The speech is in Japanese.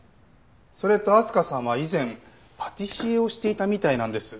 それと明日香さんは以前パティシエをしていたみたいなんです。